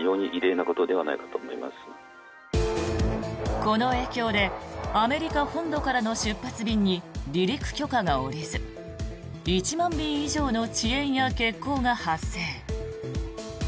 この影響でアメリカ本土からの出発便に離陸許可が下りず１万便以上の遅延や欠航が発生。